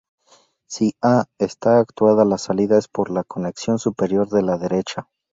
Si A esta actuada la salida es por la conexión superior de la derecha.